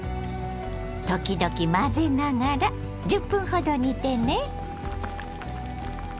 時々混ぜながら１０分ほど煮てね。